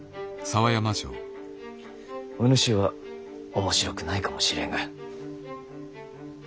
お主は面白くないかもしれんが。